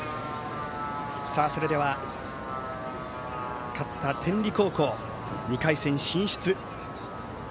それでは、勝った天理高校２回戦進出。